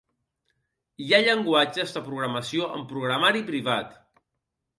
Hi ha llenguatges de programació en programari privat.